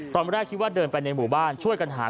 ตอนแรกคิดว่าเดินไปในหมู่บ้านช่วยกันหา